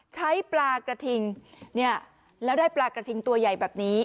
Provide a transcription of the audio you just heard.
ใช้ปลากระทิงเนี่ยแล้วได้ปลากระทิงตัวใหญ่แบบนี้